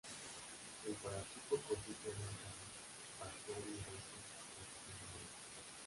El paratipo consiste en un cráneo parcial y restos postcraneales.